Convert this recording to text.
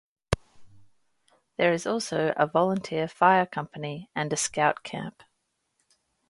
There is also a volunteer fire company and a scout camp.